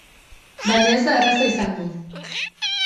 Baina ez da erraza izango.